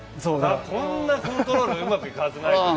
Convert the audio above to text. こんなコントロールうまくいくはずないと。